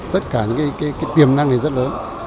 tất cả những tiềm năng này rất lớn